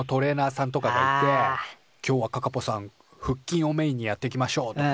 「今日はカカポさん腹筋をメインにやっていきましょう」とかさ。